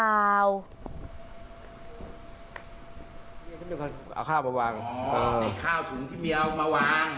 เอาข้าวมาวางอ๋อในข้าวถุงที่มีเอามาวาง